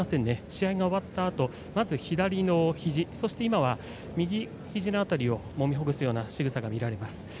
試合が終わったあとまず左のひじ、そして今は右ひじをもみほぐすようなしぐさが見られます。